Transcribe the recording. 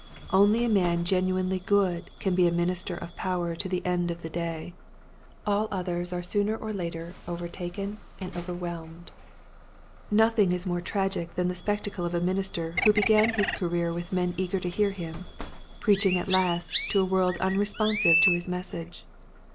Only a man genu inely good can be a minister of power to the end of the day. All others are sooner or later overtaken and overwhelmed. Nothing is more tragic than the spectacle of a minister who began his career with men eager to hear him, preaching at last to a world unresponsive to his message.